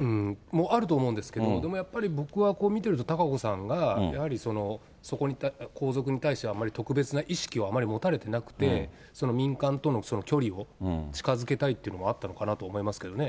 もあると思うんですけど、やっぱり僕はこれを見て、貴子さんがやはりそこに、皇族に対してあまり特別な意識はあまり持たれてなくて、民間との距離を近づけたいっていうのもあったのかなと思いますけどね。